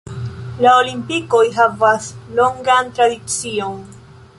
La Olimpikoj havas longan tradicion.